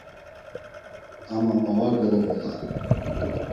Ama ma var dolovolare.